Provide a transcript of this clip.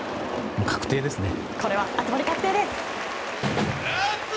確定ですね。